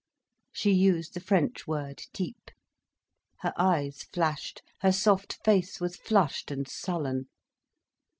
She used the French word "type." Her eyes flashed, her soft face was flushed and sullen.